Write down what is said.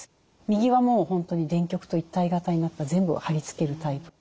右はもう本当に電極と一体型になった全部貼り付けるタイプ。